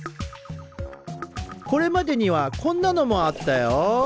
これまでにはこんなのもあったよ。